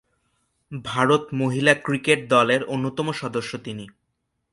ভারত মহিলা ক্রিকেট দলের অন্যতম সদস্য তিনি।